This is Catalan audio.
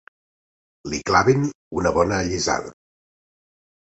Li clavin una bona allisada.